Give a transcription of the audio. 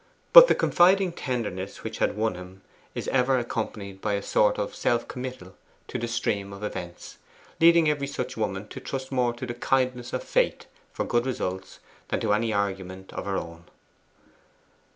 But the confiding tenderness which had won him is ever accompanied by a sort of self committal to the stream of events, leading every such woman to trust more to the kindness of fate for good results than to any argument of her own.